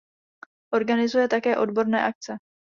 Organizuje také odborné akce.